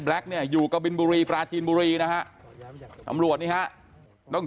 เนี่ยอยู่กะบินบุรีปราจีนบุรีนะฮะตำรวจนี่ฮะน้อง